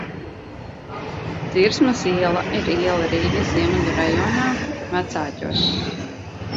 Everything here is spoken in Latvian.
Cirsmas iela ir iela Rīgas Ziemeļu rajonā, Vecāķos.